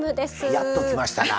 やっときましたな！